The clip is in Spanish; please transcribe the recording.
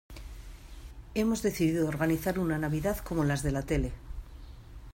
hemos decidido organizar una Navidad como las de la tele